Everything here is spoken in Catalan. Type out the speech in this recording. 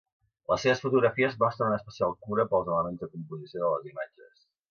Les seves fotografies mostren una especial cura pels elements de composició de les imatges.